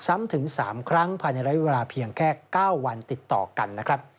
ซ้ำถึง๓ครั้งภายในระยะเวลาเพียงแค่๙วันติดต่อกันนะครับ